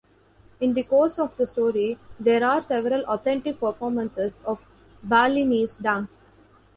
In the course of the story there are several authentic performances of Balinese dance.